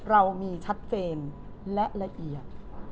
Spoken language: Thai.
เรามีชัดเจนและละเอียด